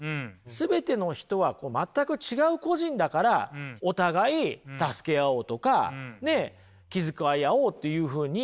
全ての人はこう全く違う個人だからお互い助けあおうとかねきづかいあおうというふうになる。